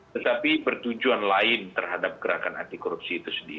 tetapi bertujuan lain terhadap gerakan anti korupsi itu sendiri